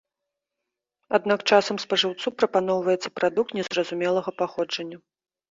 Аднак часам спажыўцу прапаноўваецца прадукт незразумелага паходжання.